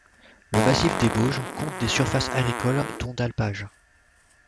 Le massif des Bauges compte des surfaces agricoles dont d’alpages.